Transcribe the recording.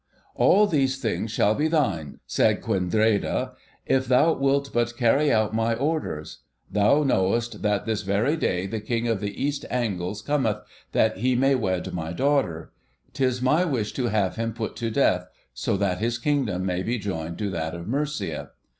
'All these things shall be thine,' said Quendreda, 'if thou wilt but carry out my orders. Thou knowest that this very day the King of the East Angles cometh, that he may wed my daughter. 'Tis my wish to have him put to death, so that his Kingdom may be joined to that of Mercia.